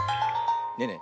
ねえねえ